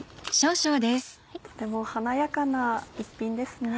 とても華やかな一品ですね。